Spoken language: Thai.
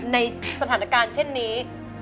ในสถานการณ์เช่นนี้